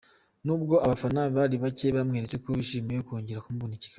Nubwo abafana bari bake bamweretse ko bishimiye kongera kumubona i Kigali.